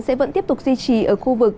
sẽ vẫn tiếp tục duy trì ở khu vực